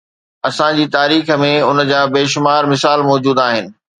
اسان جي تاريخ ۾ ان جا بيشمار مثال موجود آهن.